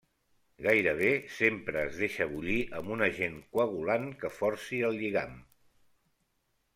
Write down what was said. Gairebé sempre es deixa bullir amb un agent coagulant que forci el lligam.